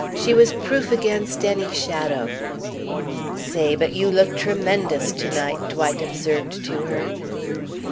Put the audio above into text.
She was proof against any shadow. "Say, but you look tremendous to night," Dwight observed to her.